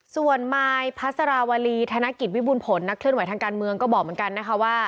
ส่วนนายพัสราวรีธนกิจวิบุญผลนักเคลื่อนไหวทางการเมืองก็บอกเหมือนกันนะคะว่า